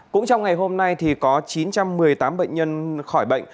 cũng trong ngày hôm nay thì có chín trăm một mươi tám bệnh nhân khỏi bệnh